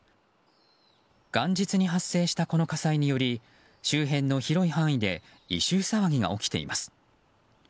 元日に発生したこの火災により周辺の広い範囲で異臭騒ぎが起きています。